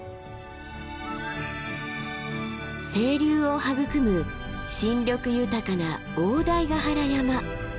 清流を育む新緑豊かな大台ヶ原山。